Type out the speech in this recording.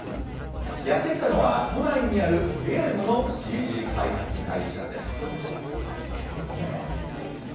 やって来たのは、都内にあるゲームのＣＧ開発会社です。